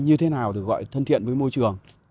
như thế nào được gọi thân thiện với môi trường